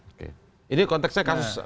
oke ini konteksnya kasus